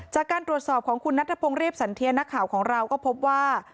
จากการตรวจสอบของคุณนัทพงศ์เรียบสันเทียนนักข่าวของเราก็พบว่า